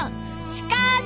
しかし！